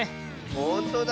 ほんとだ。